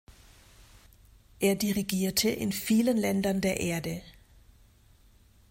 Er dirigierte in vielen Ländern der Erde.